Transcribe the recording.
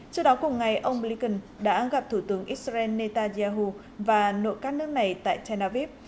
trước đó cùng ngày ông blinken đã gặp thủ tướng israel netanyahu và nội các nước này tại tel aviv